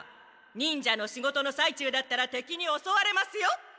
忍者の仕事の最中だったらてきにおそわれますよ。